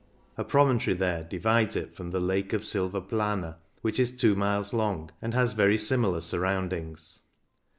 A promontory there divides it from the Lake of Silvaplana, which is two miles long, and has very similar surroundings.